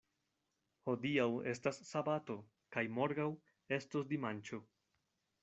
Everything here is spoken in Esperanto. Hodiaŭ estas sabato, kaj morgaŭ estos dimanĉo.